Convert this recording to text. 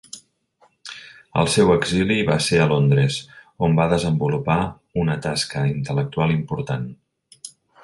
El seu exili va ser a Londres, on va desenvolupar una tasca intel·lectual important.